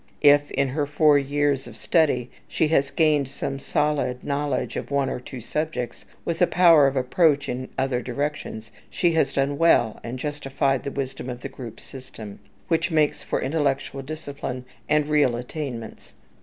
If, in her four years of study, she has gained some solid knowledge of one or two subjects, with a power of approach in other directions, she has done well, and justified the wisdom of the group system, which makes for intellectual discipline and real attainments.